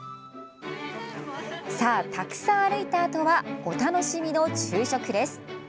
たくさん歩いたあとはお楽しみの昼食です。